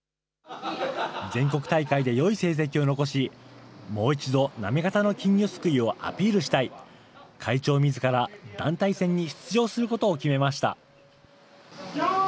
全国大会でよい成績を残し、もう一度、行方の金魚すくいをアピールしたい、会長みずから団体戦に出場することを決めました。